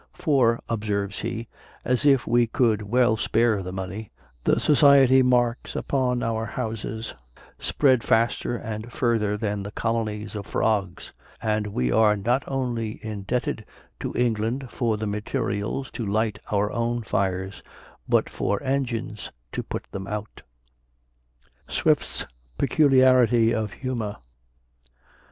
"For," observes he, "as if we could well spare the money, the society marks upon our houses spread faster and further than the colony of frogs; and we are not only indebted to England for the materials to light our own fires, but for engines to put them out." SWIFT'S PECULIARITY OF HUMOR.